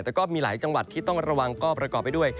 แต่ก็มีหลายจังหวัดที่ต้องระวังก็ประกอบไปด้วย